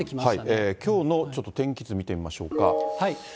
きょうのちょっと天気図見てみましょうか。